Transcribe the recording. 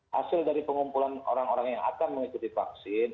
hasil dari pengumpulan orang orang yang akan mengikuti vaksin